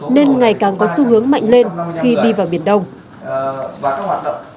nên ngày càng có xu hướng mạnh lên khi đi vào biển đông